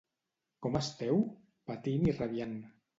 —Com esteu? —Patint i rabiant.